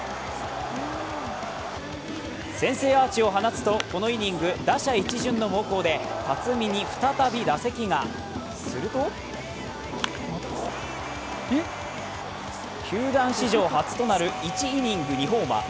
先制アーチを放つとこのイニング打者一巡の猛攻で辰巳に再び打席がすると球団史上初となる１イニング２ホーマー。